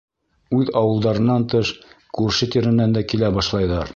Үҙ ауылдарынан тыш, күрше-тирәнән дә килә башлайҙар.